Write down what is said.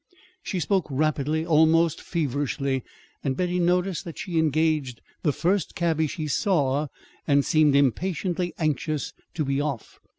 She spoke rapidly, almost feverishly; and Betty noticed that she engaged the first cabby she saw, and seemed impatiently anxious to be off.